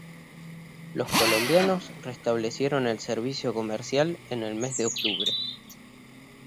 Los colombianos restablecieron el servicio comercial en el mes de octubre.